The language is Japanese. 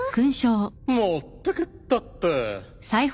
持ってけったって。